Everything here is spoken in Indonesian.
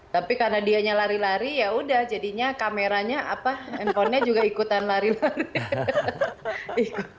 tapi karena dianya lari lari ya udah jadinya kameranya apa handphonenya juga ikutan lari lari